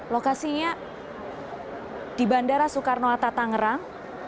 lokasinya di bandara soekarno hatta tangerang